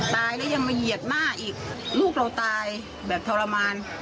ตายแล้วยังมาเหยียดหน้าอีกลูกเราตายแบบทรมาน